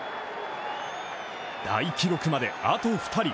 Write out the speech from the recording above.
大記録まであと２人。